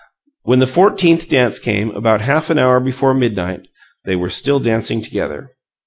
When the fourteenth dance came, about half an hour before midnight, they were still dancing together.